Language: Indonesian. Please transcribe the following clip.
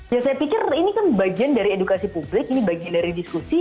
ya saya pikir ini kan bagian dari edukasi publik ini bagian dari diskusi